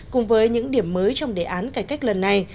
cùng với những điểm mới trong đề án cải cách lần này